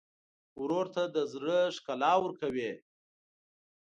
ورور ته د زړه ښکلا ورکوې.